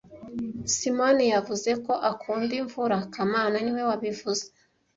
Simoni yavuze ko akunda imvura kamana niwe wabivuze